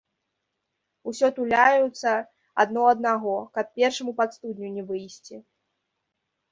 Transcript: Усё туляюцца адно аднаго, каб першаму пад студню не выйсці.